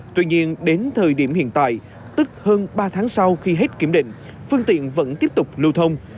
tuy nhiên đến thời điểm hiện tại tức hơn ba tháng sau khi hết kiểm định phương tiện vẫn tiếp tục lưu thông